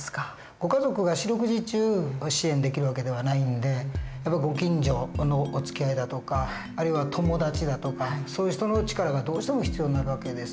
ご家族が四六時中支援できる訳ではないんでご近所のおつきあいだとかあるいは友達だとかそういう人の力がどうしても必要になる訳です。